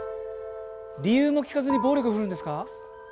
理由も聞かずに暴力振るうんですか。